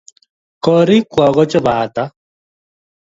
Korikwok ko chebo hata?